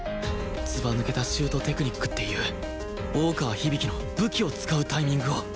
ずば抜けたシュートテクニックっていう大川響鬼の武器を使うタイミングを！